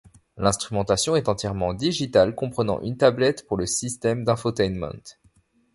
L'instrumentation est entièrement digitale comprenant une tablette pour le système d'infotainment.